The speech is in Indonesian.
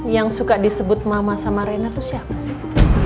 yang suka disebut mama sama rena tuh siapa sih